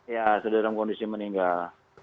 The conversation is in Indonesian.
ya sudah dalam kondisi meninggal